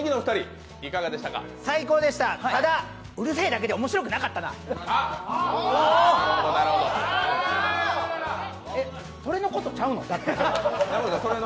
最高でした、ただうるせえだけで面白くなかったなそれのことちゃうの？